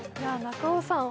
中尾さん